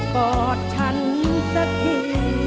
กอดฉันสักที